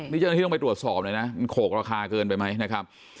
นี่เจ้าหน้าที่ต้องไปตรวจสอบเลยนะมันโขกราคาเกินไปไหมนะครับ